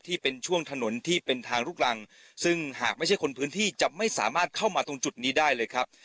ที่เป็นช่วงถนนที่เป็นทางลูกรังซึ่งหากไม่ใช่คนพื้นที่จะไม่สามารถเข้ามาตรงจุดนี้ได้เลยครับ